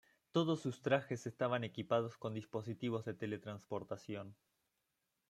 Todos sus trajes estaban equipados con dispositivos de teletransportación.